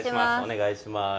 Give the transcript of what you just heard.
お願いします。